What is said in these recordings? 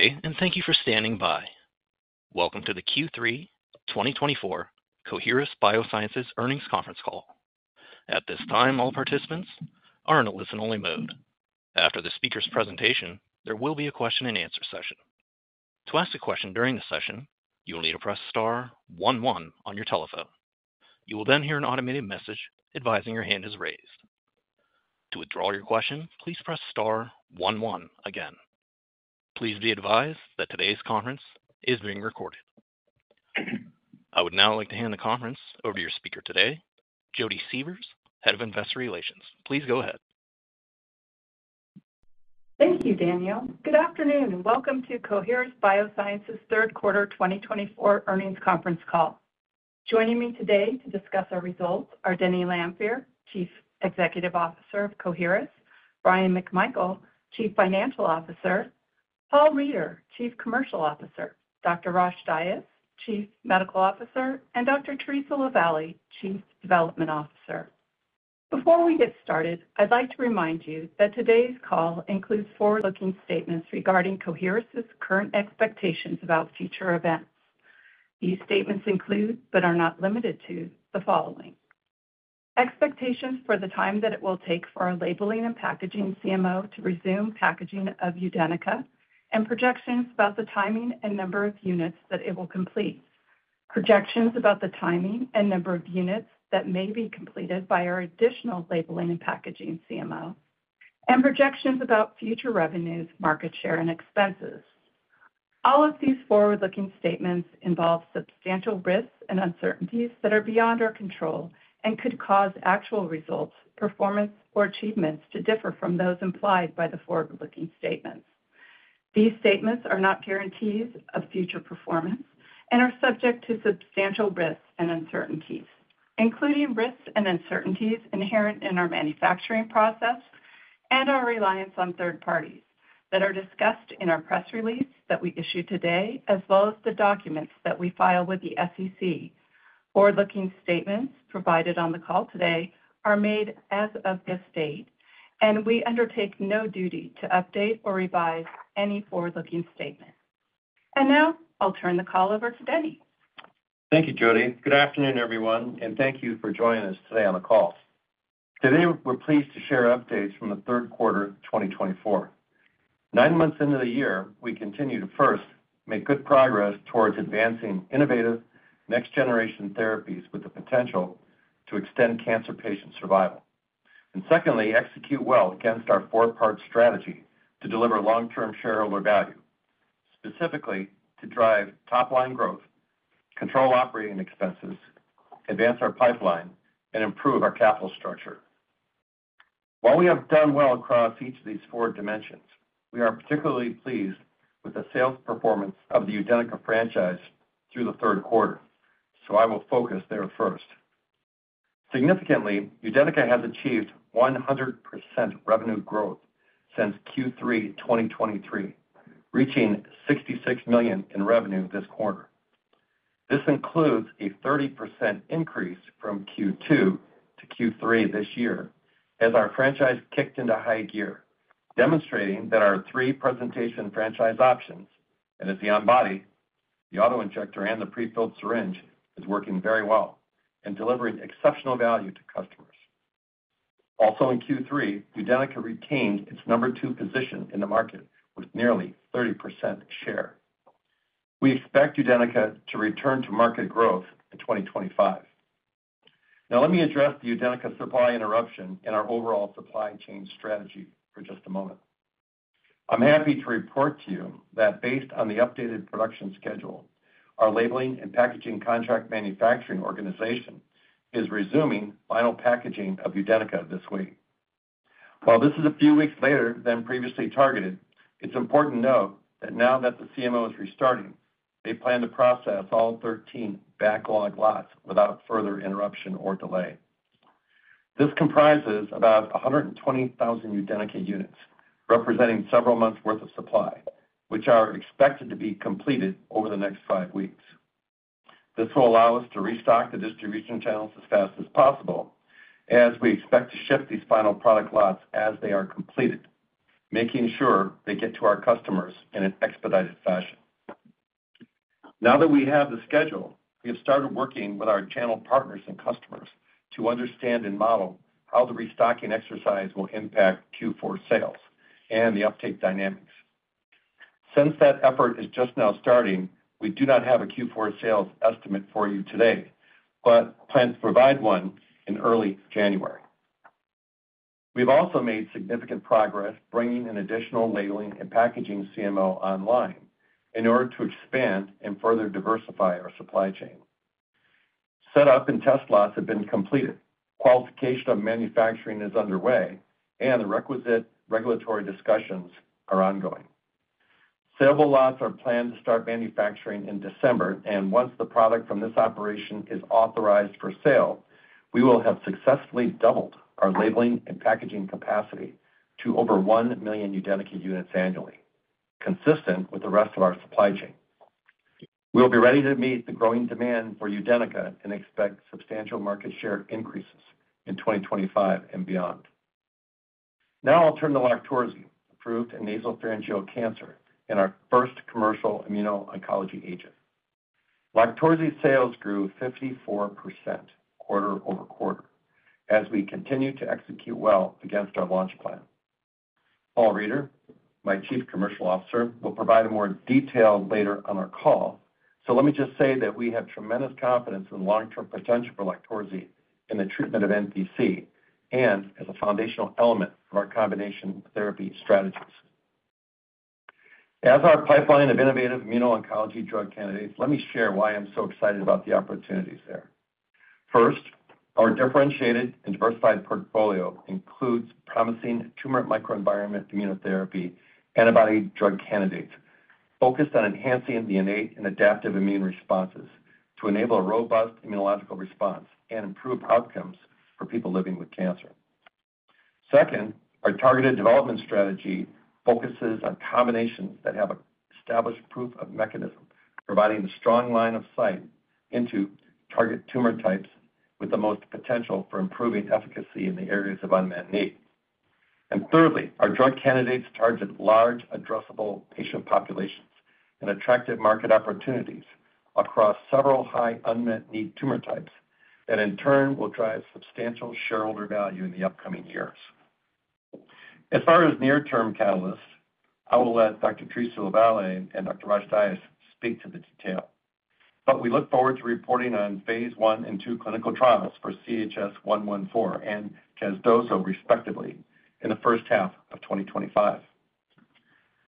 Today, and thank you for standing by. Welcome to the Q3 2024 Coherus BioSciences Earnings Conference Call. At this time, all participants are in a listen-only mode. After the speaker's presentation, there will be a question-and-answer session. To ask a question during the session, you will need to press star one one on your telephone. You will then hear an automated message advising your hand is raised. To withdraw your question, please press star one one again. Please be advised that today's conference is being recorded. I would now like to hand the conference over to your speaker today, Jodi Sievers, Head of Investor Relations. Please go ahead. Thank you, Daniel. Good afternoon, and welcome to Coherus BioSciences' Third Quarter 2024 Earnings Conference Call. Joining me today to discuss our results are Denny Lanfear, Chief Executive Officer of Coherus, Bryan McMichael, Chief Financial Officer, Paul Reeder, Chief Commercial Officer, Dr. Rosh Dias, Chief Medical Officer, and Dr. Theresa LaVallee, Chief Development Officer. Before we get started, I'd like to remind you that today's call includes forward-looking statements regarding Coherus' current expectations about future events. These statements include, but are not limited to, the following: expectations for the time that it will take for our labeling and packaging CMO to resume packaging of UDENYCA, and projections about the timing and number of units that it will complete, projections about the timing and number of units that may be completed by our additional labeling and packaging CMO, and projections about future revenues, market share, and expenses. All of these forward-looking statements involve substantial risks and uncertainties that are beyond our control and could cause actual results, performance, or achievements to differ from those implied by the forward-looking statements. These statements are not guarantees of future performance and are subject to substantial risks and uncertainties, including risks and uncertainties inherent in our manufacturing process and our reliance on third parties that are discussed in our press release that we issue today, as well as the documents that we file with the SEC. Forward-looking statements provided on the call today are made as of this date, and we undertake no duty to update or revise any forward-looking statement, and now I'll turn the call over to Denny. Thank you, Jodi. Good afternoon, everyone, and thank you for joining us today on the call. Today, we're pleased to share updates from the third quarter 2024. Nine months into the year, we continue to, first, make good progress towards advancing innovative next-generation therapies with the potential to extend cancer patient survival, and secondly, execute well against our four-part strategy to deliver long-term shareholder value, specifically to drive top-line growth, control operating expenses, advance our pipeline, and improve our capital structure. While we have done well across each of these four dimensions, we are particularly pleased with the sales performance of the UDENYCA franchise through the third quarter, so I will focus there first. Significantly, UDENYCA has achieved 100% revenue growth since Q3 2023, reaching $66 million in revenue this quarter. This includes a 30% increase from Q2 to Q3 this year as our franchise kicked into high gear, demonstrating that our three presentation franchise options, and it's the on-body, the autoinjector, and the pre-filled syringe, is working very well and delivering exceptional value to customers. Also, in Q3, UDENYCA retained its number two position in the market with nearly 30% share. We expect UDENYCA to return to market growth in 2025. Now, let me address the UDENYCA supply interruption in our overall supply chain strategy for just a moment. I'm happy to report to you that, based on the updated production schedule, our labeling and packaging contract manufacturing organization is resuming final packaging of UDENYCA this week. While this is a few weeks later than previously targeted, it's important to note that now that the CMO is restarting, they plan to process all 13 backlog lots without further interruption or delay. This comprises about 120,000 UDENYCA units, representing several months' worth of supply, which are expected to be completed over the next five weeks. This will allow us to restock the distribution channels as fast as possible, as we expect to ship these final product lots as they are completed, making sure they get to our customers in an expedited fashion. Now that we have the schedule, we have started working with our channel partners and customers to understand and model how the restocking exercise will impact Q4 sales and the uptake dynamics. Since that effort is just now starting, we do not have a Q4 sales estimate for you today, but plan to provide one in early January. We've also made significant progress bringing an additional labeling and packaging CMO online in order to expand and further diversify our supply chain. Setup and test lots have been completed, qualification of manufacturing is underway, and the requisite regulatory discussions are ongoing. Saleable lots are planned to start manufacturing in December, and once the product from this operation is authorized for sale, we will have successfully doubled our labeling and packaging capacity to over 1 million UDENYCA units annually, consistent with the rest of our supply chain. We'll be ready to meet the growing demand for UDENYCA and expect substantial market share increases in 2025 and beyond. Now, I'll turn to LOQTORZI, approved in nasopharyngeal cancer, our first commercial immuno-oncology agent. LOQTORZI sales grew 54% quarter over quarter as we continue to execute well against our launch plan. Paul Reeder, my Chief Commercial Officer, will provide more details later on our call, so let me just say that we have tremendous confidence in the long-term potential for LOQTORZI in the treatment of NPC and as a foundational element of our combination therapy strategies. As our pipeline of innovative immuno-oncology drug candidates, let me share why I'm so excited about the opportunities there. First, our differentiated and diversified portfolio includes promising tumor microenvironment immunotherapy antibody drug candidates focused on enhancing the innate and adaptive immune responses to enable a robust immunological response and improve outcomes for people living with cancer. Second, our targeted development strategy focuses on combinations that have established proof of mechanism, providing a strong line of sight into target tumor types with the most potential for improving efficacy in the areas of unmet need. Thirdly, our drug candidates target large, addressable patient populations and attractive market opportunities across several high unmet need tumor types that, in turn, will drive substantial shareholder value in the upcoming years. As far as near-term catalysts, I will let Dr. Theresa LaVallee and Dr. Rosh Dias speak to the detail, but we look forward to reporting on phase one and two clinical trials for CHS-114 and casdozokitug, respectively, in the first half of 2025.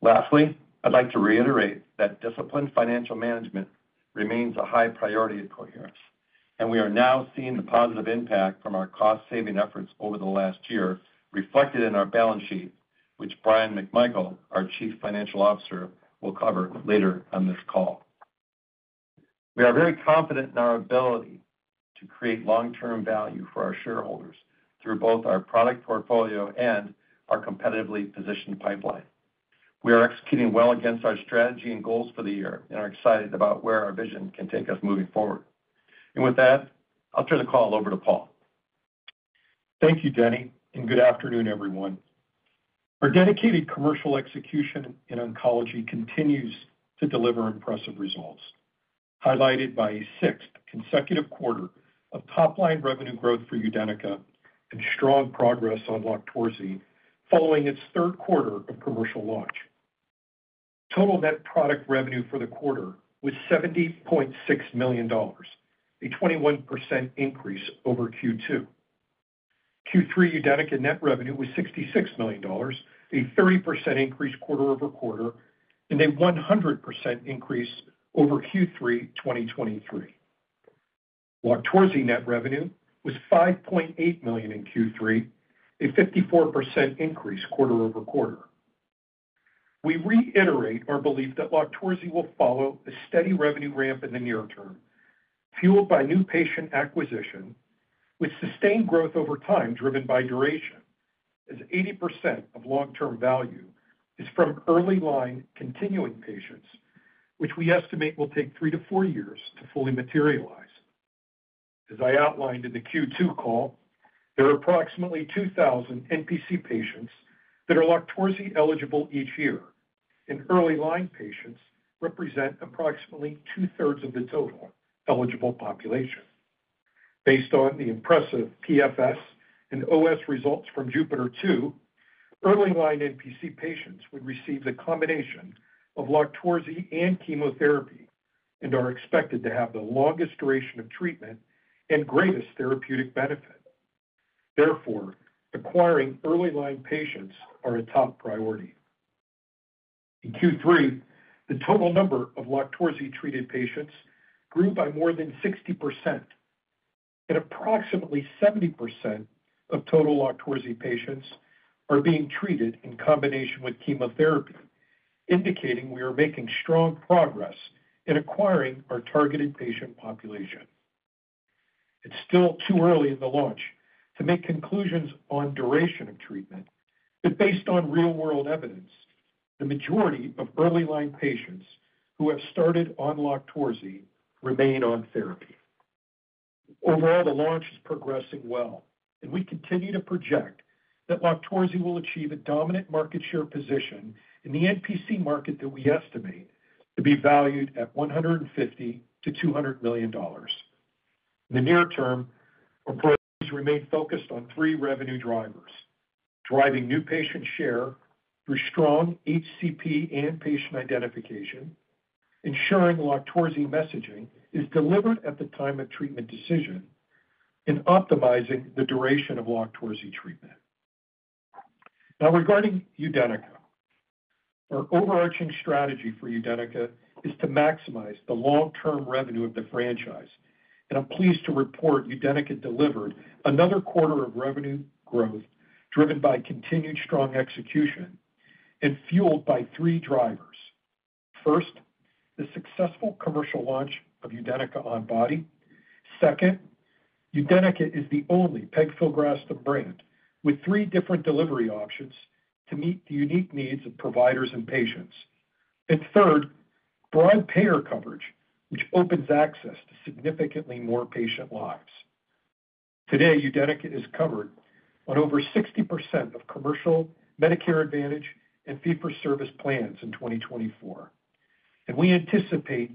Lastly, I'd like to reiterate that disciplined financial management remains a high priority at Coherus, and we are now seeing the positive impact from our cost-saving efforts over the last year reflected in our balance sheet, which Bryan McMichael, our Chief Financial Officer, will cover later on this call. We are very confident in our ability to create long-term value for our shareholders through both our product portfolio and our competitively positioned pipeline. We are executing well against our strategy and goals for the year and are excited about where our vision can take us moving forward, and with that, I'll turn the call over to Paul. Thank you, Denny, and good afternoon, everyone. Our dedicated commercial execution in oncology continues to deliver impressive results, highlighted by a sixth consecutive quarter of top-line revenue growth for UDENYCA and strong progress on LOQTORZI following its third quarter of commercial launch. Total net product revenue for the quarter was $70.6 million, a 21% increase over Q2. Q3 UDENYCA net revenue was $66 million, a 30% increase quarter over quarter, and a 100% increase over Q3 2023. LOQTORZI net revenue was $5.8 million in Q3, a 54% increase quarter over quarter. We reiterate our belief that LOQTORZI will follow a steady revenue ramp in the near term, fueled by new patient acquisition, with sustained growth over time driven by duration, as 80% of long-term value is from early-line continuing patients, which we estimate will take three to four years to fully materialize. As I outlined in the Q2 call, there are approximately 2,000 NPC patients that are LOQTORZI eligible each year, and early-line patients represent approximately two-thirds of the total eligible population. Based on the impressive PFS and OS results from JUPITER-02, early-line NPC patients would receive the combination of LOQTORZI and chemotherapy and are expected to have the longest duration of treatment and greatest therapeutic benefit. Therefore, acquiring early-line patients is a top priority. In Q3, the total number of LOQTORZI-treated patients grew by more than 60%, and approximately 70% of total LOQTORZI patients are being treated in combination with chemotherapy, indicating we are making strong progress in acquiring our targeted patient population. It's still too early in the launch to make conclusions on duration of treatment, but based on real-world evidence, the majority of early-line patients who have started on LOQTORZI remain on therapy. Overall, the launch is progressing well, and we continue to project that LOQTORZI will achieve a dominant market share position in the NPC market that we estimate to be valued at $150-$200 million. In the near term, our priorities remain focused on three revenue drivers: driving new patient share through strong HCP and patient identification, ensuring LOQTORZI messaging is delivered at the time of treatment decision, and optimizing the duration of LOQTORZI treatment. Now, regarding UDENYCA, our overarching strategy for UDENYCA is to maximize the long-term revenue of the franchise, and I'm pleased to report UDENYCA delivered another quarter of revenue growth driven by continued strong execution and fueled by three drivers. First, the successful commercial launch of UDENYCA on-body. Second, UDENYCA is the only pegfilgrastim brand with three different delivery options to meet the unique needs of providers and patients. And third, broad payer coverage, which opens access to significantly more patient lives. Today, UDENYCA is covered on over 60% of commercial Medicare Advantage and fee-for-service plans in 2024, and we anticipate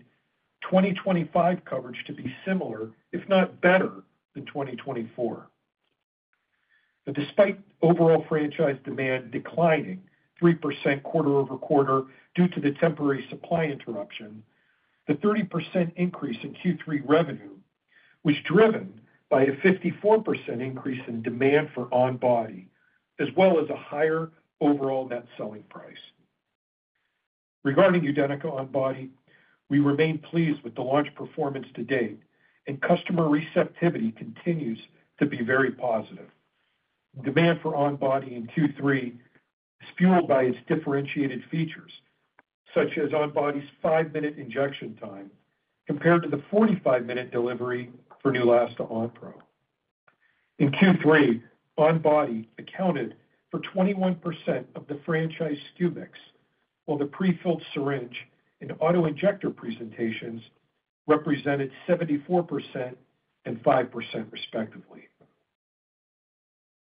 2025 coverage to be similar, if not better, than 2024. Despite overall franchise demand declining 3% quarter over quarter due to the temporary supply interruption, the 30% increase in Q3 revenue was driven by a 54% increase in demand for on-body, as well as a higher overall net selling price. Regarding UDENYCA on-body, we remain pleased with the launch performance to date, and customer receptivity continues to be very positive. Demand for on-body in Q3 is fueled by its differentiated features, such as on-body's five-minute injection time compared to the 45-minute delivery for Neulasta Onpro. In Q3, on-body accounted for 21% of the franchise SKU mix, while the pre-filled syringe and autoinjector presentations represented 74% and 5%, respectively.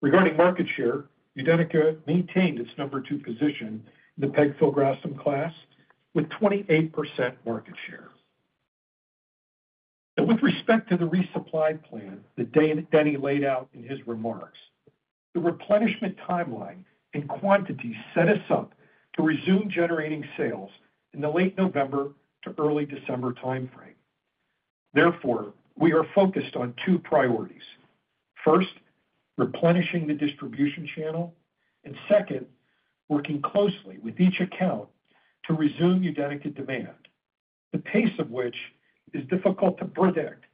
Regarding market share, UDENYCA maintained its number two position in the pegfilgrastim class with 28% market share. With respect to the resupply plan that Denny laid out in his remarks, the replenishment timeline and quantity set us up to resume generating sales in the late November to early December timeframe. Therefore, we are focused on two priorities: first, replenishing the distribution channel, and second, working closely with each account to resume UDENYCA demand, the pace of which is difficult to predict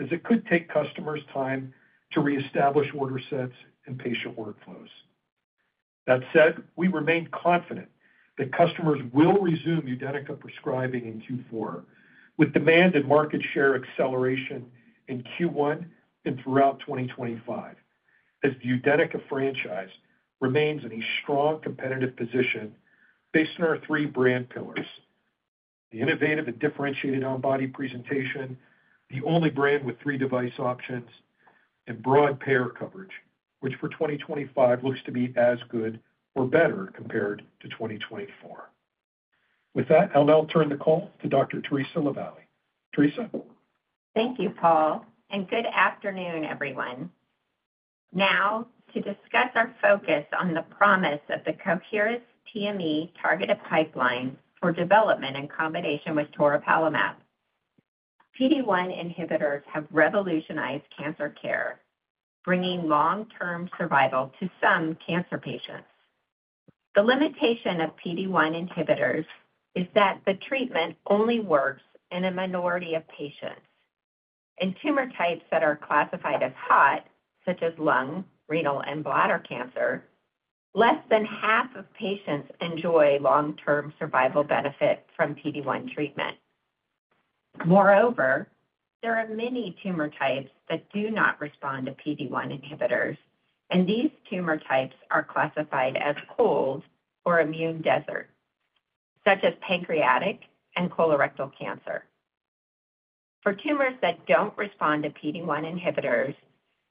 as it could take customers time to reestablish order sets and patient workflows. That said, we remain confident that customers will resume UDENYCA prescribing in Q4, with demand and market share acceleration in Q1 and throughout 2025, as the UDENYCA franchise remains in a strong competitive position based on our three brand pillars: the innovative and differentiated on-body presentation, the only brand with three device options, and broad payer coverage, which for 2025 looks to be as good or better compared to 2024. With that, I'll now turn the call to Dr. Theresa LaVallee. Theresa. Thank you, Paul, and good afternoon, everyone. Now, to discuss our focus on the promise of the Coherus TME targeted pipeline for development in combination with toripalimab. PD-1 inhibitors have revolutionized cancer care, bringing long-term survival to some cancer patients. The limitation of PD-1 inhibitors is that the treatment only works in a minority of patients. In tumor types that are classified as hot, such as lung, renal, and bladder cancer, less than half of patients enjoy long-term survival benefit from PD-1 treatment. Moreover, there are many tumor types that do not respond to PD-1 inhibitors, and these tumor types are classified as cold or immune desert, such as pancreatic and colorectal cancer. For tumors that don't respond to PD-1 inhibitors,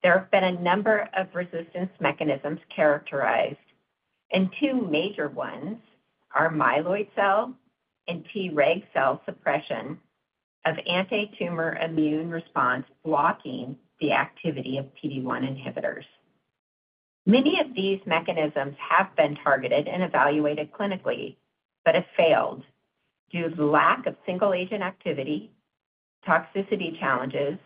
there have been a number of resistance mechanisms characterized, and two major ones are myeloid cell and Treg cell suppression of anti-tumor immune response blocking the activity of PD-1 inhibitors. Many of these mechanisms have been targeted and evaluated clinically, but have failed due to lack of single-agent activity, toxicity challenges,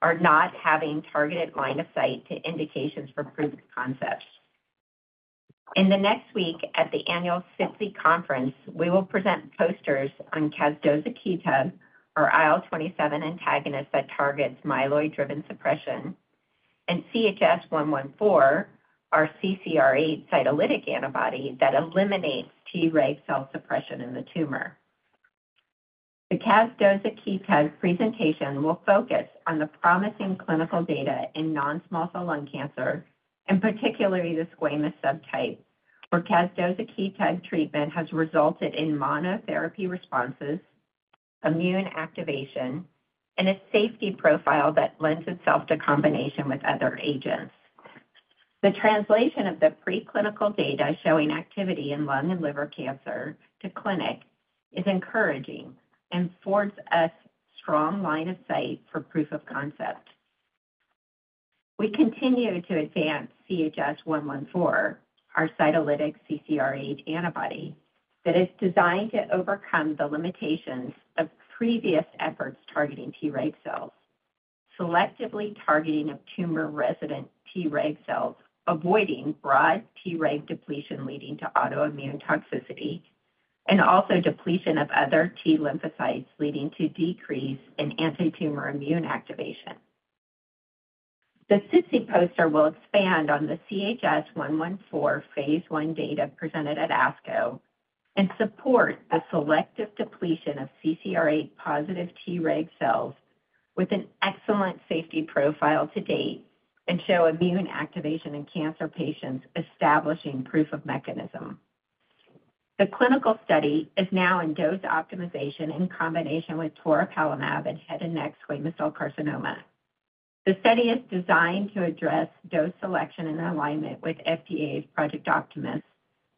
or not having targeted line of sight to indications for proven concepts. In the next week at the annual SITC Conference, we will present posters on casdozokitug, our IL-27 antagonist that targets myeloid-driven suppression, and CHS-114, our CCR8 cytolytic antibody that eliminates Treg cell suppression in the tumor. The casdozokitug presentation will focus on the promising clinical data in non-small cell lung cancer, and particularly the squamous subtype, where casdozokitug treatment has resulted in monotherapy responses, immune activation, and a safety profile that lends itself to combination with other agents. The translation of the preclinical data showing activity in lung and liver cancer to clinic is encouraging and affords us strong line of sight for proof of concept. We continue to advance CHS-114, our cytolytic CCR8 antibody that is designed to overcome the limitations of previous efforts targeting Treg cells, selectively targeting of tumor resident Treg cells, avoiding broad Treg depletion leading to autoimmune toxicity, and also depletion of other T lymphocytes leading to decrease in anti-tumor immune activation. The SITC poster will expand on the CHS-114 phase one data presented at ASCO and support the selective depletion of CCR8 positive Treg cells with an excellent safety profile to date and show immune activation in cancer patients establishing proof of mechanism. The clinical study is now in dose optimization in combination with toripalimab and head and neck squamous cell carcinoma. The study is designed to address dose selection and alignment with FDA's Project Optimist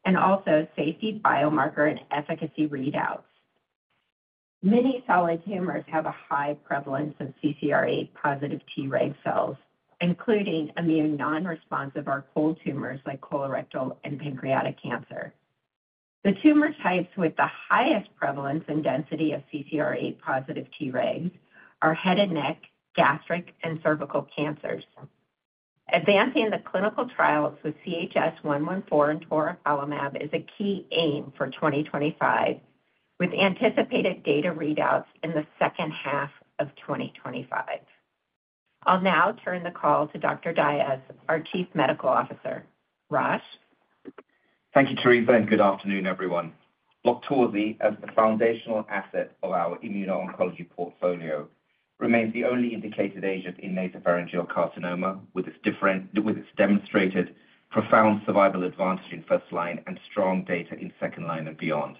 and also safety biomarker and efficacy readouts. Many solid tumors have a high prevalence of CCR8 positive Treg cells, including immune non-responsive or cold tumors like colorectal and pancreatic cancer. The tumor types with the highest prevalence and density of CCR8 positive Tregs are head and neck, gastric, and cervical cancers. Advancing the clinical trials with CHS-114 and toripalimab is a key aim for 2025, with anticipated data readouts in the second half of 2025. I'll now turn the call to Dr. Dias, our Chief Medical Officer. Rosh. Thank you, Theresa, and good afternoon, everyone. LOQTORZI, as the foundational asset of our immuno-oncology portfolio, remains the only indicated agent in nasopharyngeal carcinoma with its demonstrated profound survival advantage in first line and strong data in second line and beyond.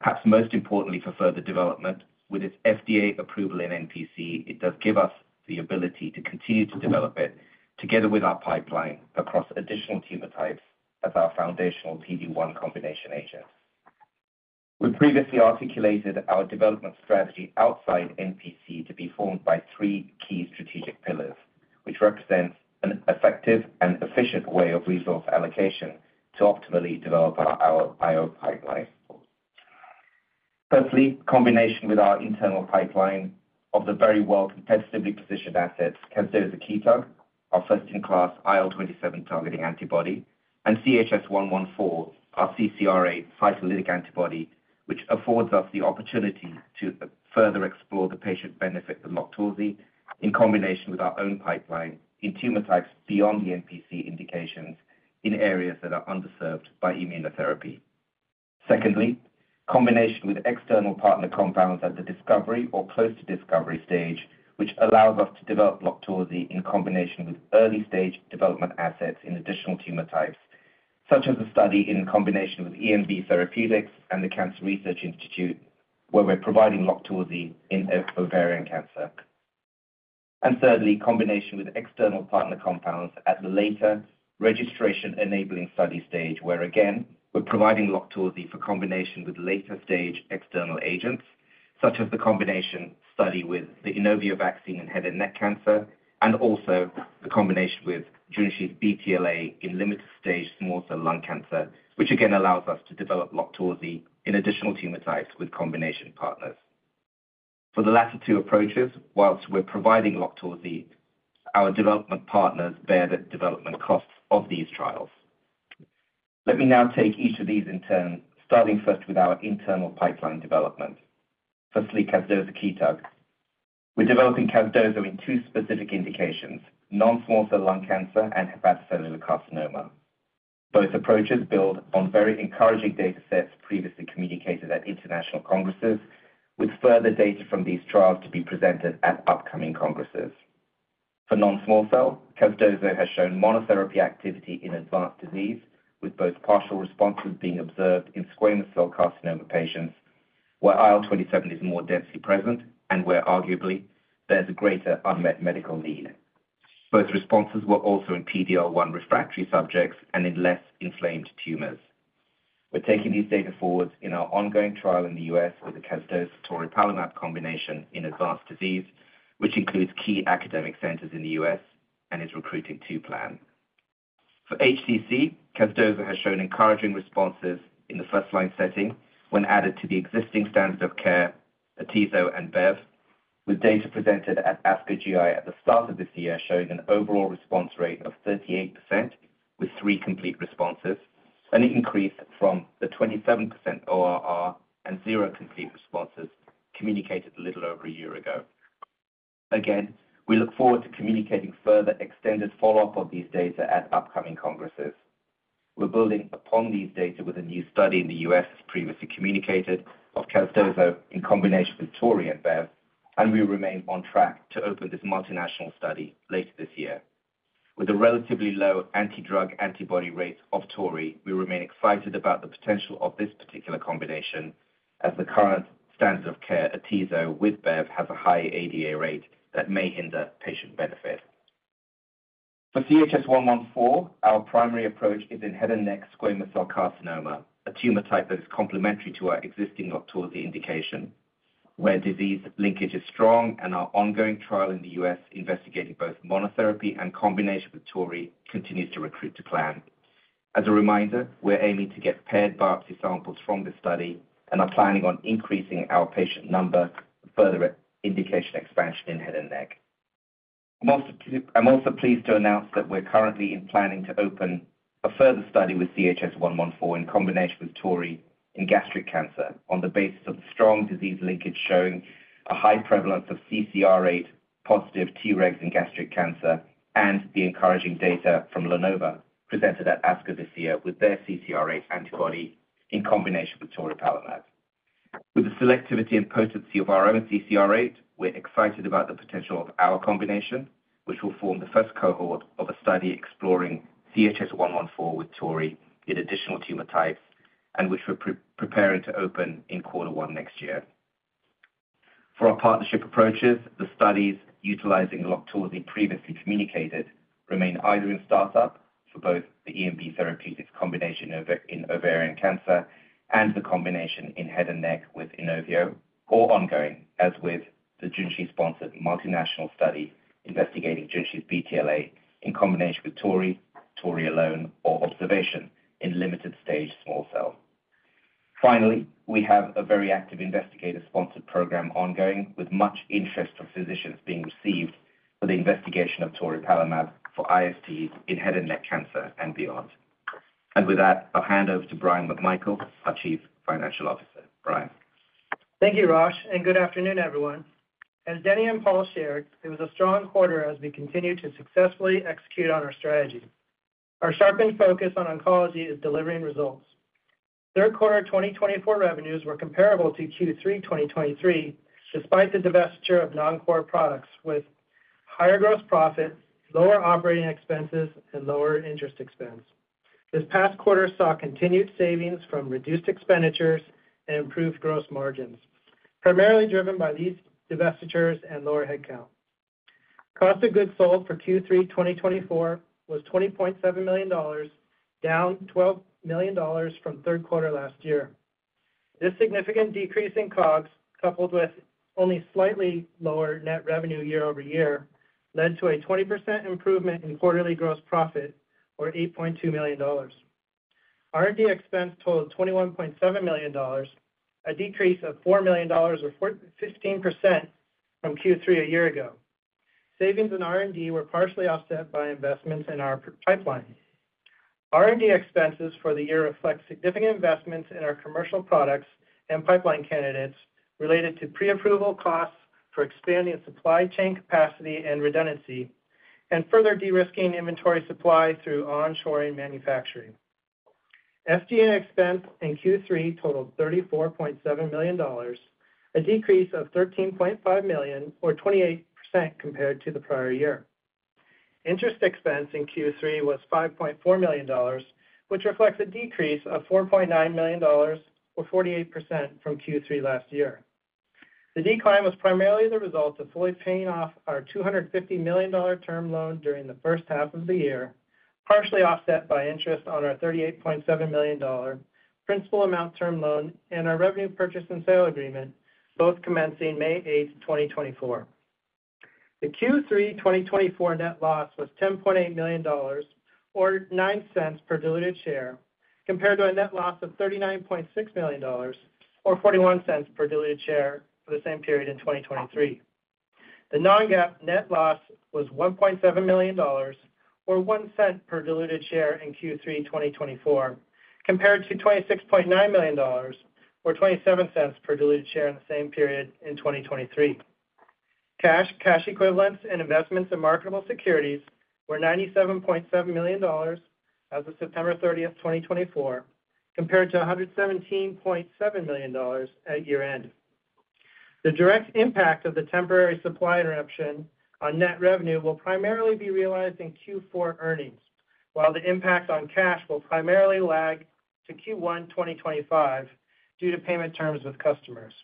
Perhaps most importantly for further development, with its FDA approval in NPC, it does give us the ability to continue to develop it together with our pipeline across additional tumor types as our foundational PD-1 combination agent. We previously articulated our development strategy outside NPC to be formed by three key strategic pillars, which represents an effective and efficient way of resource allocation to optimally develop our IO pipeline. Firstly, combination with our internal pipeline of the very well competitively positioned assets, Casdozokitug, our first-in-class IL-27 targeting antibody, and CHS-114, our CCR8 cytolytic antibody, which affords us the opportunity to further explore the patient benefit of LOQTORZI in combination with our own pipeline in tumor types beyond the NPC indications in areas that are underserved by immunotherapy. Secondly, combination with external partner compounds at the discovery or close to discovery stage, which allows us to develop LOQTORZI in combination with early-stage development assets in additional tumor types, such as a study in combination with ENB Therapeutics and the Cancer Research Institute, where we're providing LOQTORZI in ovarian cancer. And thirdly, combination with external partner compounds at the later registration-enabling study stage, where again, we're providing LOQTORZI for combination with later-stage external agents, such as the combination study with the Inovio vaccine in head and neck cancer, and also the combination with Junshi's BTLA in limited-stage small cell lung cancer, which again allows us to develop LOQTORZI in additional tumor types with combination partners. For the latter two approaches, while we're providing LOQTORZI, our development partners bear the development costs of these trials. Let me now take each of these in turn, starting first with our internal pipeline development. Firstly, Casdozokitug. We're developing Casdozokitug in two specific indications: non-small cell lung cancer and hepatocellular carcinoma. Both approaches build on very encouraging data sets previously communicated at international congresses, with further data from these trials to be presented at upcoming congresses. For non-small cell, casdozokitug has shown monotherapy activity in advanced disease, with both partial responses being observed in squamous cell carcinoma patients, where IL-27 is more densely present and where, arguably, there's a greater unmet medical need. Both responses were also in PD-L1 refractory subjects and in less inflamed tumors. We're taking these data forward in our ongoing trial in the U.S. with the casdozokitug-toripalimab combination in advanced disease, which includes key academic centers in the U.S. and is recruiting to plan. For HCC, casdozokitug has shown encouraging responses in the first line setting when added to the existing standard of care, atezolizumab and BEV, with data presented at ASCO GI at the start of this year showing an overall response rate of 38% with three complete responses, an increase from the 27% ORR and zero complete responses communicated a little over a year ago. Again, we look forward to communicating further extended follow-up on these data at upcoming congresses. We're building upon these data with a new study in the U.S., as previously communicated, of casdozokitug in combination with toripalimab and BEV, and we remain on track to open this multinational study later this year. With a relatively low anti-drug antibody rate of toripalimab, we remain excited about the potential of this particular combination, as the current standard of care, atezolizumab, with BEV, has a high ADA rate that may hinder patient benefit. For CHS-114, our primary approach is in head and neck squamous cell carcinoma, a tumor type that is complementary to our existing LOQTORZI indication, where disease linkage is strong, and our ongoing trial in the U.S. investigating both monotherapy and combination with toripalimab continues to recruit to plan. As a reminder, we're aiming to get paired biopsy samples from this study and are planning on increasing our patient number for further indication expansion in head and neck. I'm also pleased to announce that we're currently planning to open a further study with CHS-114 in combination with Tori in gastric cancer on the basis of strong disease linkage showing a high prevalence of CCR8 positive Tregs in gastric cancer and the encouraging data from LaNova presented at ASCO this year with their CCR8 antibody in combination with toripalimab. With the selectivity and potency of our own CCR8, we're excited about the potential of our combination, which will form the first cohort of a study exploring CHS-114 with Tori in additional tumor types and which we're preparing to open in quarter one next year. For our partnership approaches, the studies utilizing LOQTORZI previously communicated remain either in startup for both the ENB Therapeutics combination in ovarian cancer and the combination in head and neck with Inovio, or ongoing, as with the Junshi-sponsored multinational study investigating Junshi's BTLA in combination with toripalimab alone, or observation in limited-stage small cell lung cancer. Finally, we have a very active investigator-sponsored program ongoing with much interest from physicians being received for the investigation of toripalimab for ISTs in head and neck cancer and beyond. And with that, I'll hand over to Bryan McMichael, our Chief Financial Officer. Bryan. Thank you, Rosh, and good afternoon, everyone. As Denny and Paul shared, it was a strong quarter as we continued to successfully execute on our strategy. Our sharpened focus on oncology is delivering results. Third quarter 2024 revenues were comparable to Q3 2023, despite the divestiture of non-core products, with higher gross profits, lower operating expenses, and lower interest expense. This past quarter saw continued savings from reduced expenditures and improved gross margins, primarily driven by these divestitures and lower headcount. Cost of goods sold for Q3 2024 was $20.7 million, down $12 million from third quarter last year. This significant decrease in COGS, coupled with only slightly lower net revenue year over year, led to a 20% improvement in quarterly gross profit, or $8.2 million. R&D expense totaled $21.7 million, a decrease of $4 million, or 15%, from Q3 a year ago. Savings in R&D were partially offset by investments in our pipeline. R&D expenses for the year reflect significant investments in our commercial products and pipeline candidates related to pre-approval costs for expanding supply chain capacity and redundancy and further de-risking inventory supply through onshoring manufacturing. R&D expense in Q3 totaled $34.7 million, a decrease of $13.5 million, or 28%, compared to the prior year. Interest expense in Q3 was $5.4 million, which reflects a decrease of $4.9 million, or 48%, from Q3 last year. The decline was primarily the result of fully paying off our $250 million term loan during the first half of the year, partially offset by interest on our $38.7 million principal amount term loan and our revenue purchase and sale agreement, both commencing May 8, 2024. The Q3 2024 net loss was $10.8 million, or $0.09 per diluted share, compared to a net loss of $39.6 million, or $0.41 per diluted share for the same period in 2023. The non-GAAP net loss was $1.7 million, or $0.01 per diluted share in Q3 2024, compared to $26.9 million, or $0.27 per diluted share in the same period in 2023. Cash, cash equivalents, and investments in marketable securities were $97.7 million as of September 30, 2024, compared to $117.7 million at year-end. The direct impact of the temporary supply interruption on net revenue will primarily be realized in Q4 earnings, while the impact on cash will primarily lag to Q1 2025 due to payment terms with customers.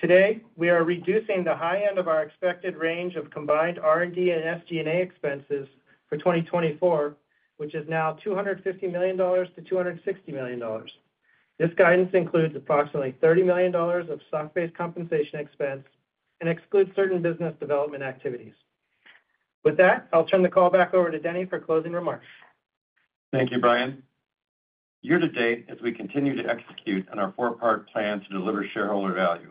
Today, we are reducing the high end of our expected range of combined R&D and SG&A expenses for 2024, which is now $250 million-$260 million. This guidance includes approximately $30 million of stock-based compensation expense and excludes certain business development activities. With that, I'll turn the call back over to Denny for closing remarks. Thank you, Bryan. Year to date, as we continue to execute on our four-part plan to deliver shareholder value,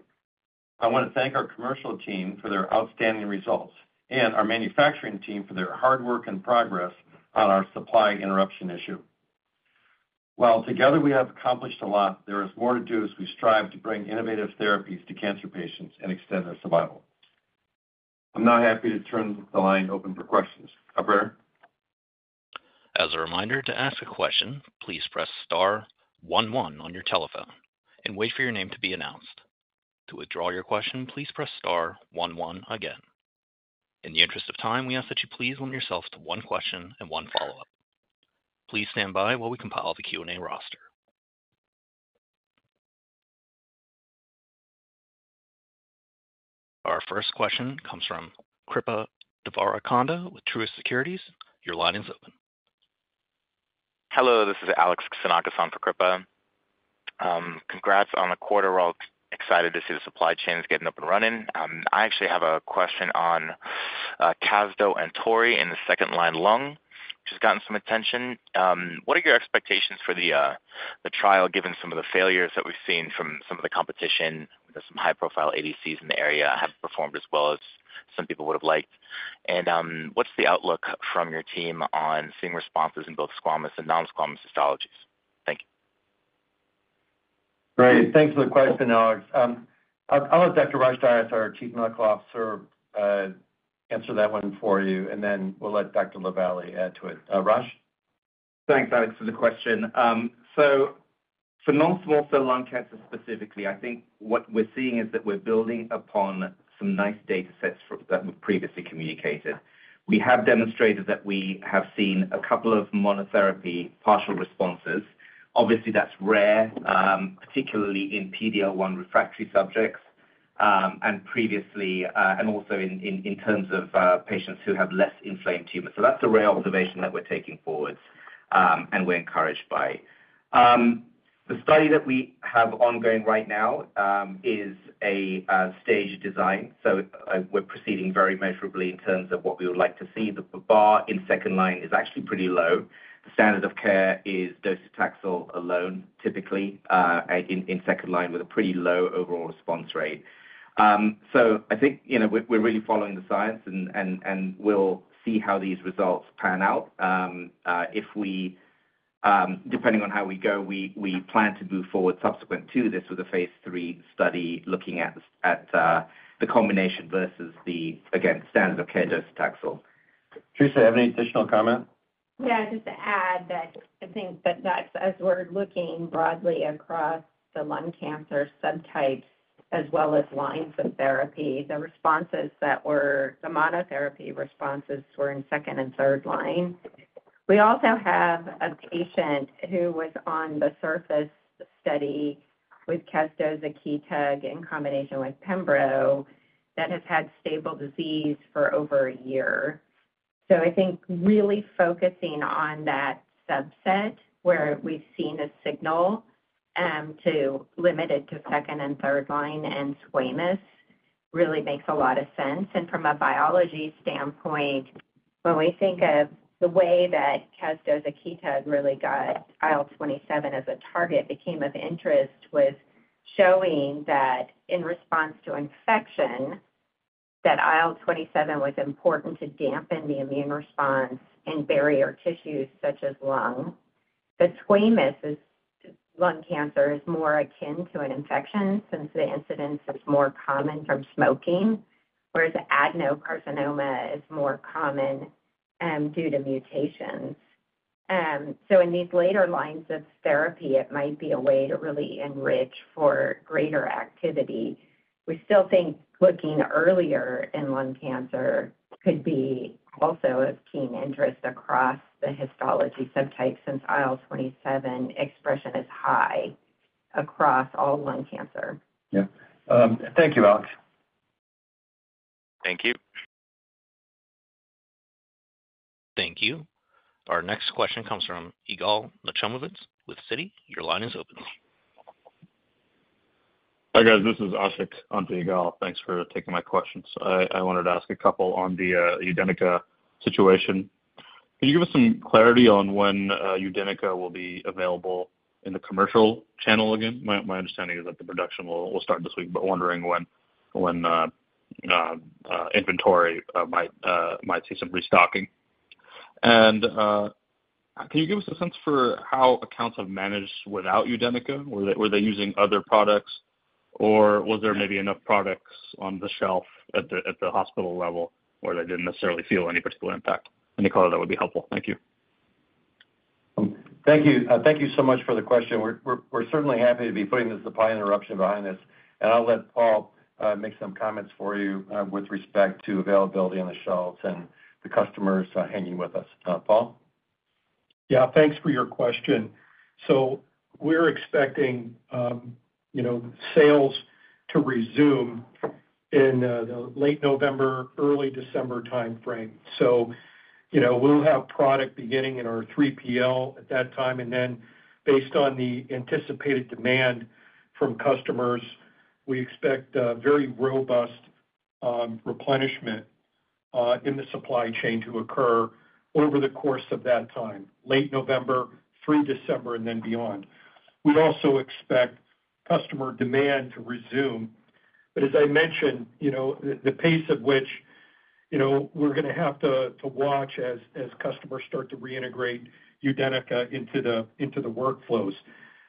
I want to thank our commercial team for their outstanding results and our manufacturing team for their hard work and progress on our supply interruption issue. While together we have accomplished a lot, there is more to do as we strive to bring innovative therapies to cancer patients and extend their survival. I'm now happy to turn the line open for questions. Operator? As a reminder, to ask a question, please press star one one on your telephone and wait for your name to be announced. To withdraw your question, please press star one one again. In the interest of time, we ask that you please limit yourself to one question and one follow-up. Please stand by while we compile the Q&A roster. Our first question comes from Kripa Devarakonda with Truist Securities. Your line is open. Hello, this is Alex Xenakis on for Kripa. Congrats on the quarter. We're all excited to see the supply chains getting up and running. I actually have a question on casdozokitug and toripalimab in the second-line lung, which has gotten some attention. What are your expectations for the trial, given some of the failures that we've seen from some of the competition? There's some high-profile ADCs in the area that haven't performed as well as some people would have liked. And what's the outlook from your team on seeing responses in both squamous and non-squamous histologies? Thank you. Great. Thanks for the question, Alex. I'll let Dr. Rosh Dias, our Chief Medical Officer, answer that one for you, and then we'll let Dr. LaVallee add to it. Rosh? Thanks, Alex, for the question. So for non-small cell lung cancer specifically, I think what we're seeing is that we're building upon some nice data sets that were previously communicated. We have demonstrated that we have seen a couple of monotherapy partial responses. Obviously, that's rare, particularly in PD-L1 refractory subjects and also in terms of patients who have less inflamed tumors. So that's a rare observation that we're taking forward and we're encouraged by. The study that we have ongoing right now is a stage design, so we're proceeding very measurably in terms of what we would like to see. The bar in second line is actually pretty low. The standard of care is docetaxel alone, typically, in second line with a pretty low overall response rate. So I think we're really following the science, and we'll see how these results pan out. Depending on how we go, we plan to move forward subsequent to this with a phase 3 study looking at the combination versus, again, the standard of care docetaxel. Theresa, do you have any additional comment? Yeah, just to add that I think that as we're looking broadly across the lung cancer subtypes as well as lines of therapy, the responses that were the monotherapy responses were in second and third line. We also have a patient who was on the Surface study with casdozokitug in combination with pembrolizumab that has had stable disease for over a year. So I think really focusing on that subset where we've seen a signal to limit it to second and third line and squamous really makes a lot of sense. And from a biology standpoint, when we think of the way that casdozokitug really got IL-27 as a target, it became of interest with showing that in response to infection, that IL-27 was important to dampen the immune response and barrier tissues such as lung. But squamous lung cancer is more akin to an infection since the incidence is more common from smoking, whereas adenocarcinoma is more common due to mutations. So in these later lines of therapy, it might be a way to really enrich for greater activity. We still think looking earlier in lung cancer could be also of keen interest across the histology subtype since IL-27 expression is high across all lung cancer. Yeah. Thank you, Alex. Thank you. Thank you. Our next question comes from Yigal Nochomovitz with Citi. Your line is open. Hi, guys. This is Ashiq on for Yigal. Thanks for taking my questions. I wanted to ask a couple on the UDENYCA situation. Could you give us some clarity on when UDENYCA will be available in the commercial channel again? My understanding is that the production will start this week, but wondering when inventory might see some restocking. And can you give us a sense for how accounts have managed without UDENYCA? Were they using other products, or was there maybe enough products on the shelf at the hospital level where they didn't necessarily feel any particular impact? Any color that would be helpful. Thank you. Thank you. Thank you so much for the question. We're certainly happy to be putting the supply interruption behind this. And I'll let Paul make some comments for you with respect to availability on the shelves and the customers hanging with us. Paul? Yeah, thanks for your question. So we're expecting sales to resume in the late November, early December timeframe. So we'll have product beginning in our 3PL at that time. And then based on the anticipated demand from customers, we expect very robust replenishment in the supply chain to occur over the course of that time, late November, through December, and then beyond. We also expect customer demand to resume. But as I mentioned, the pace of which we're going to have to watch as customers start to reintegrate UDENYCA into the workflows.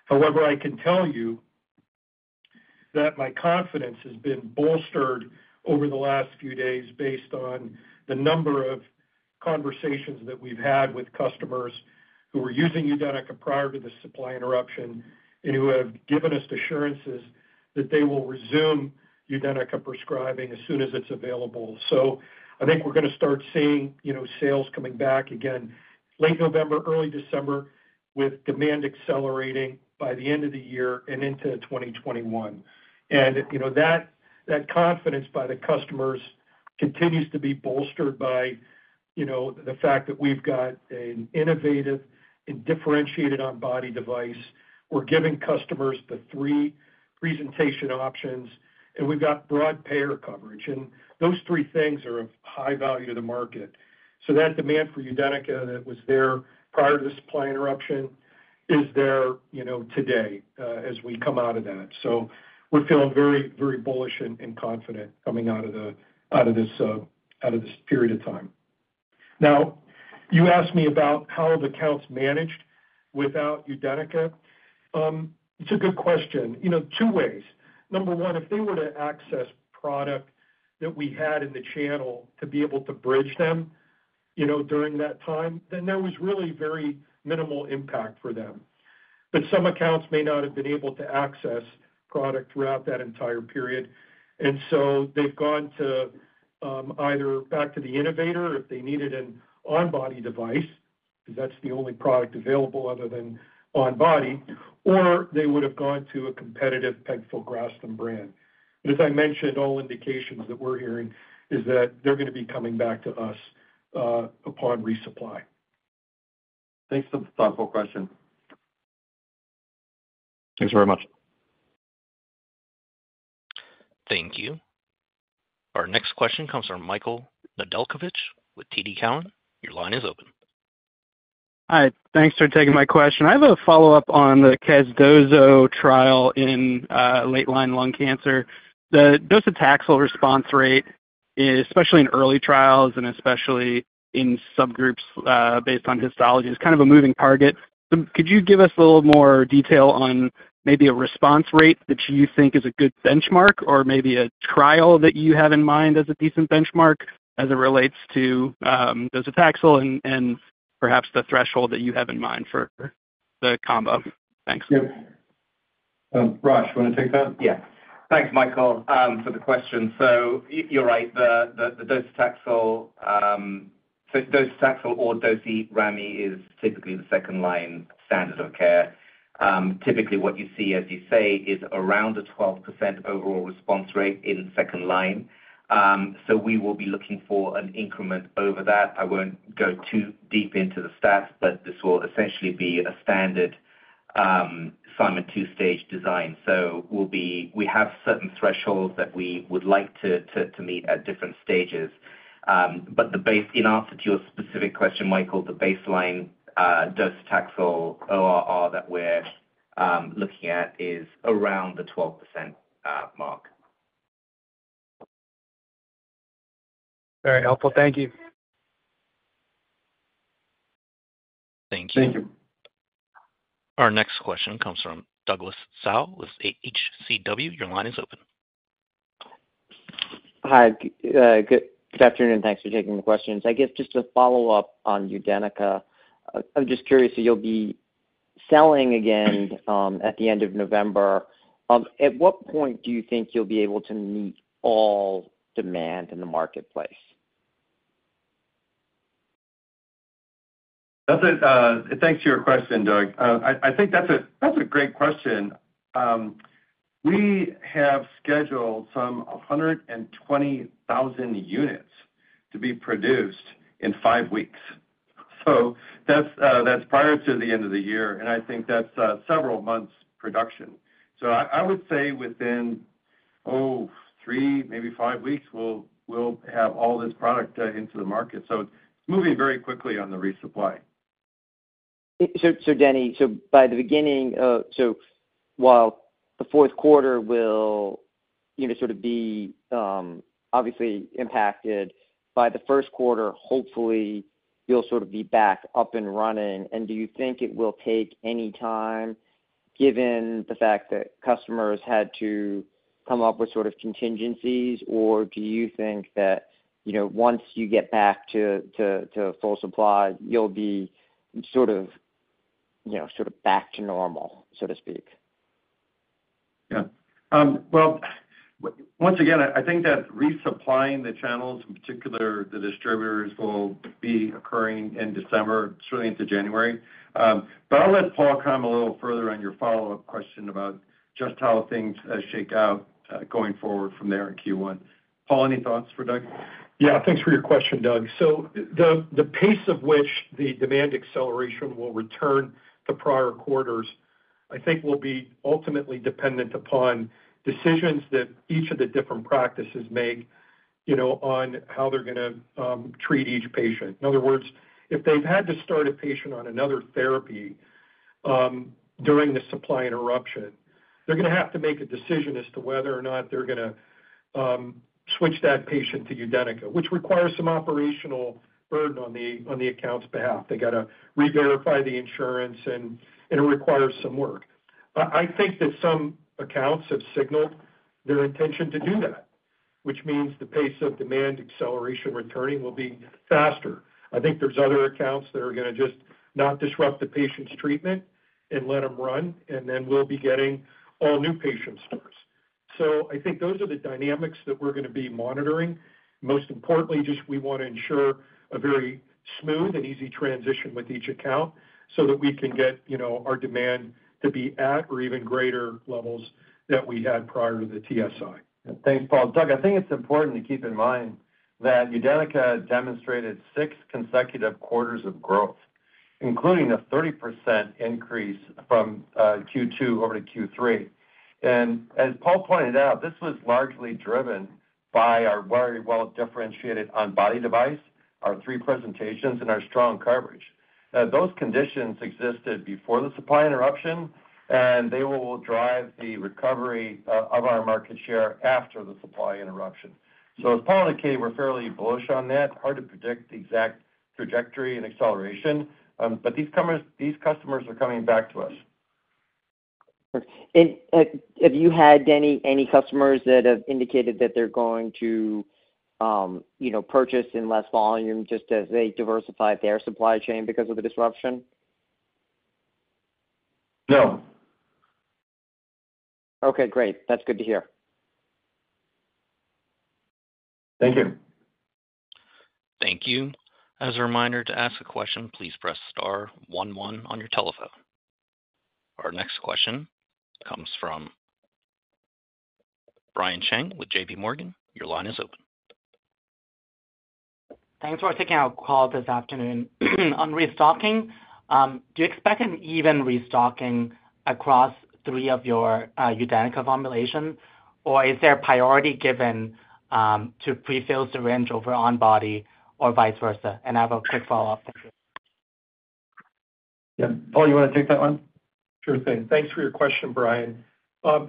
However, I can tell you that my confidence has been bolstered over the last few days based on the number of conversations that we've had with customers who were using UDENYCA prior to the supply interruption and who have given us assurances that they will resume UDENYCA prescribing as soon as it's available. So I think we're going to start seeing sales coming back again late November, early December, with demand accelerating by the end of the year and into 2021. And that confidence by the customers continues to be bolstered by the fact that we've got an innovative and differentiated on-body device. We're giving customers the three presentation options, and we've got broad payer coverage. And those three things are of high value to the market. So that demand for UDENYCA that was there prior to the supply interruption is there today as we come out of that. So we're feeling very, very bullish and confident coming out of this period of time. Now, you asked me about how the accounts managed without UDENYCA. It's a good question. Two ways. Number one, if they were to access product that we had in the channel to be able to bridge them during that time, then there was really very minimal impact for them. But some accounts may not have been able to access product throughout that entire period. And so they've gone to either back to the Innovator if they needed an on-body device, because that's the only product available other than on-body, or they would have gone to a competitive pegfilgrastim brand. But as I mentioned, all indications that we're hearing is that they're going to be coming back to us upon resupply. Thanks for the thoughtful question. Thanks very much. Thank you. Our next question comes from Michael Nedelcovych with TD Cowen. Your line is open. Hi. Thanks for taking my question. I have a follow-up on the Casdozokitug trial in late-line lung cancer. The docetaxel response rate, especially in early trials and especially in subgroups based on histology, is kind of a moving target. Could you give us a little more detail on maybe a response rate that you think is a good benchmark or maybe a trial that you have in mind as a decent benchmark as it relates to docetaxel and perhaps the threshold that you have in mind for the combo? Thanks. Yeah. Rosh, you want to take that? Yeah. Thanks, Michael, for the question, so you're right. The docetaxel or ramucirumab is typically the second-line standard of care. Typically, what you see, as you say, is around a 12% overall response rate in second line, so we will be looking for an increment over that. I won't go too deep into the stats, but this will essentially be a standard Simon two-stage design, so we have certain thresholds that we would like to meet at different stages, but in answer to your specific question, Michael, the baseline docetaxel ORR that we're looking at is around the 12% mark. Very helpful. Thank you. Thank you. Thank you. Our next question comes from Douglas Tsao with HCW. Your line is open. Hi. Good afternoon. Thanks for taking the questions. I guess just a follow-up on UDENYCA. I'm just curious. So you'll be selling again at the end of November. At what point do you think you'll be able to meet all demand in the marketplace? Thanks for your question, Doug. I think that's a great question. We have scheduled some 120,000 units to be produced in five weeks. So that's prior to the end of the year. And I think that's several months' production. So I would say within, oh, three, maybe five weeks, we'll have all this product into the market. So it's moving very quickly on the resupply. So, Denny, by the beginning, while the fourth quarter will sort of be obviously impacted, by the first quarter, hopefully, you'll sort of be back up and running. And do you think it will take any time given the fact that customers had to come up with sort of contingencies, or do you think that once you get back to full supply, you'll be sort of back to normal, so to speak? Yeah. Well, once again, I think that resupplying the channels, in particular the distributors, will be occurring in December, certainly into January. But I'll let Paul comment a little further on your follow-up question about just how things shake out going forward from there in Q1. Paul, any thoughts for Doug? Yeah. Thanks for your question, Doug. So the pace of which the demand acceleration will return the prior quarters, I think, will be ultimately dependent upon decisions that each of the different practices make on how they're going to treat each patient. In other words, if they've had to start a patient on another therapy during the supply interruption, they're going to have to make a decision as to whether or not they're going to switch that patient to UDENYCA, which requires some operational burden on the account's behalf. They got to re-verify the insurance, and it requires some work. I think that some accounts have signaled their intention to do that, which means the pace of demand acceleration returning will be faster. I think there's other accounts that are going to just not disrupt the patient's treatment and let them run, and then we'll be getting all new patient starts. So I think those are the dynamics that we're going to be monitoring. Most importantly, just we want to ensure a very smooth and easy transition with each account so that we can get our demand to be at or even greater levels that we had prior to the TSI. Thanks, Paul. Doug, I think it's important to keep in mind that UDENYCA demonstrated six consecutive quarters of growth, including a 30% increase from Q2 over to Q3. And as Paul pointed out, this was largely driven by our very well differentiated on-body device, our three presentations, and our strong coverage. Those conditions existed before the supply interruption, and they will drive the recovery of our market share after the supply interruption. So as Paul and I were fairly bullish on that, hard to predict the exact trajectory and acceleration. But these customers are coming back to us. Have you had any customers that have indicated that they're going to purchase in less volume just as they diversify their supply chain because of the disruption? No. Okay. Great. That's good to hear. Thank you. Thank you. As a reminder to ask a question, please press star 11 on your telephone. Our next question comes from Brian Cheng with J.P. Morgan. Your line is open. Thanks for taking our call this afternoon. On restocking, do you expect an even restocking across three of your UDENYCA formulations, or is there a priority given to prefill syringe over on-body or vice versa? And I have a quick follow-up. Thank you. Yeah. Paul, you want to take that one? Sure thing. Thanks for your question, Brian.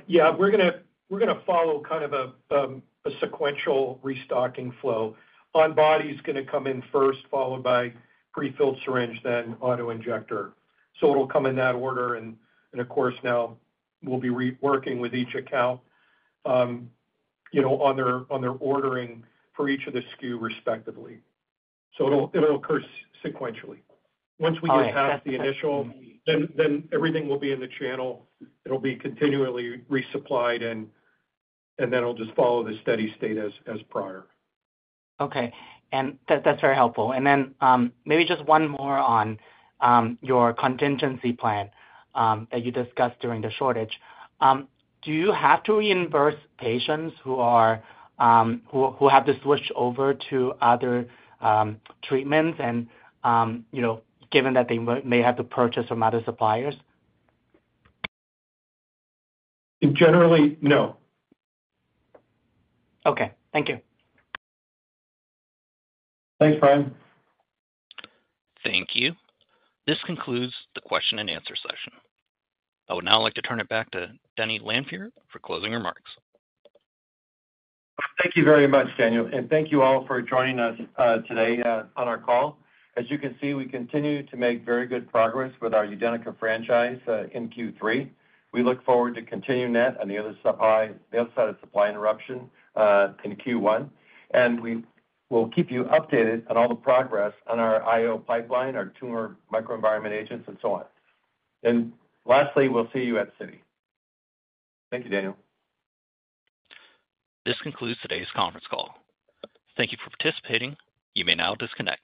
Yeah, we're going to follow kind of a sequential restocking flow. On-body is going to come in first, followed by pre-filled syringe, then autoinjector. So it'll come in that order. And of course, now we'll be working with each account on their ordering for each of the SKU respectively. So it'll occur sequentially. Once we get past the initial, then everything will be in the channel. It'll be continually resupplied, and then it'll just follow the steady state as prior. Okay. And that's very helpful. And then maybe just one more on your contingency plan that you discussed during the shortage. Do you have to reimburse patients who have to switch over to other treatments given that they may have to purchase from other suppliers? Generally, no. Okay. Thank you. Thanks, Brian. Thank you. This concludes the question-and-answer session. I would now like to turn it back to Denny Lanfear for closing remarks. Thank you very much, Daniel. And thank you all for joining us today on our call. As you can see, we continue to make very good progress with our UDENYCA franchise in Q3. We look forward to continuing that on the other side of supply interruption in Q1. And we will keep you updated on all the progress on our IO pipeline, our tumor microenvironment agents, and so on. And lastly, we'll see you at Citi. Thank you, Daniel. This concludes today's conference call. Thank you for participating. You may now disconnect.